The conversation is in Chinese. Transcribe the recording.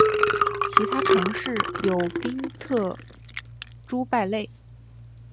其他城市有宾特朱拜勒。